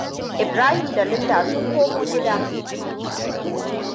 Ibrahim da Linda sun komo gida.